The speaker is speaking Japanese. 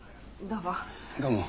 どうも。